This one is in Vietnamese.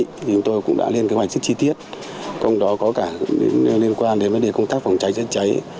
thì chúng tôi cũng đã lên các hoạt chức chi tiết công đó có cả liên quan đến vấn đề công tác phòng cháy chất cháy